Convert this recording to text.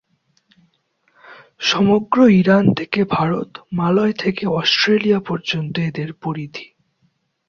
সমগ্র ইরান থেকে ভারত, মালয় থেকে অস্ট্রেলিয়া পর্যন্ত এদের পরিধি।